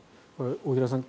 大平さん